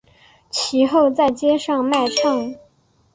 其后在街上卖唱。